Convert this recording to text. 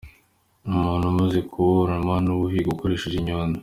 Umubu umaze kukuruma ntuwuhiga ukoresheje inyundo.